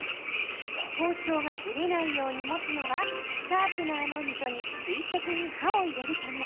包丁がぶれないように持つのはシャープナーの溝に垂直に刃を入れるため。